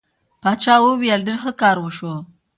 باچا وویل ډېر ښه کار وشو.